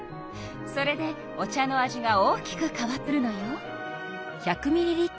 それでお茶の味が大きく変わってくるのよ。